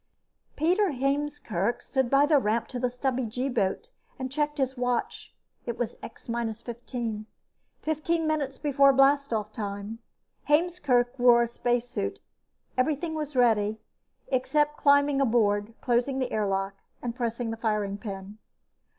Pieter Heemskerk stood by the ramp to the stubby G boat and checked his watch. It was X minus fifteen fifteen minutes before blastoff time. Heemskerk wore a spacesuit. Everything was ready, except climbing aboard, closing the airlock and pressing the firing pin.